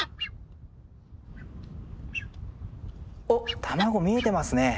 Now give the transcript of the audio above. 卵見えてますね。